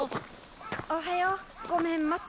おはようごめん待った？